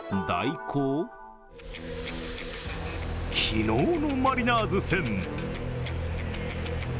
昨日のマリナーズ戦。